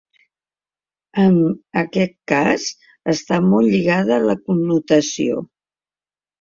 En aquest cas està molt lligada a la connotació.